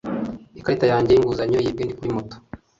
Ikarita yanjye y'inguzanyo yibwe ndi kuri moto